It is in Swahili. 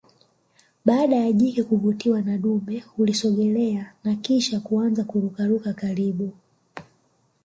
Baada ya jike kuvutiwa na dume hulisogelelea na kisha kuanza kurukaruka karibu